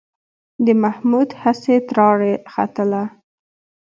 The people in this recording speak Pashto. د محمود هسې ټراري ختله.